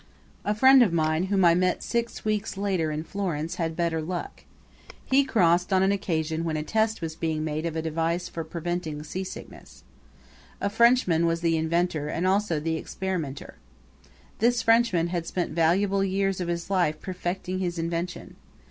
A friend of mine whom I met six weeks later in Florence had better luck. He crossed on an occasion when a test was being made of a device for preventing seasickness. A Frenchman was the inventor and also the experimenter. This Frenchman had spent valuable years of his life perfecting his invention.